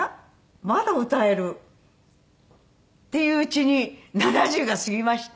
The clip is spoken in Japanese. まだ歌えるっていううちに７０が過ぎました。